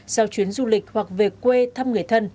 sau chuyến du lịch hoặc về quê thăm người thân